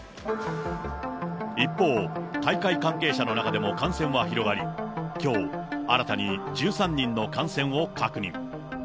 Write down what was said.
一方、大会関係者の中でも感染は広がり、きょう、新たに１３人の感染を確認。